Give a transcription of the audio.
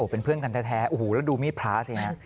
เป็นเพื่อนกันแท้โอ้โหแล้วดูมีดพระสิฮะ